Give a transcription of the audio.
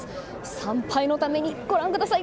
参拝のためにご覧ください。